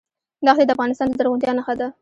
دښتې د افغانستان د زرغونتیا نښه ده.